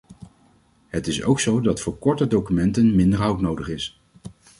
Het is ook zo dat voor korte documenten minder hout nodig is.